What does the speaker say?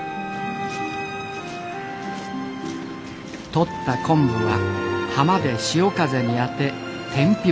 とった昆布は浜で潮風に当て天日干し。